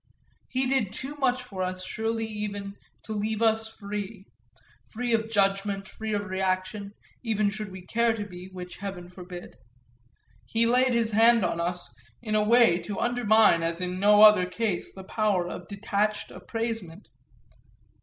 He did too much for us surely ever to leave us free free of judgment, free of reaction, even should we care to be, which heaven forbid: he laid his hand on us in a way to undermine as in no other case the power of detached appraisement.